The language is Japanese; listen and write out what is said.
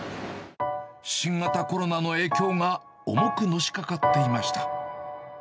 新型コロナの影響が重くのしかかっていました。